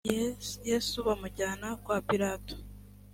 yesu bamujyana kwa pilato